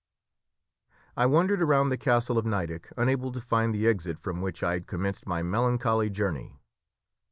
I wandered around the castle of Nideck unable to find the exit from which I had commenced my melancholy journey.